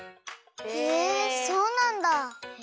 へえそうなんだ。